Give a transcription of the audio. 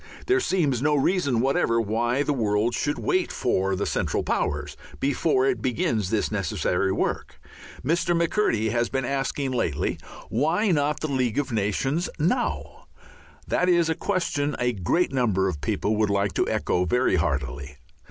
There seems no reason whatever why the world should wait for the Central Powers before it begins this necessary work. Mr. McCurdy has been asking lately, "Why not the League of Nations now?" That is a question a great number of people would like to echo very heartily.